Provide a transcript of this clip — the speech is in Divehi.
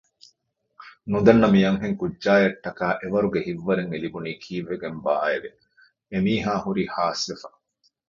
ނުދަންނަ މިއަންހެން ކުއްޖާއަށްޓަކައި އެވަރުގެ ހިތްވަރެއް އެލިބުނީ ކީއްވެގެންބާއެވެ؟ އެމީހާ ހުރީ ހާސްވެފަ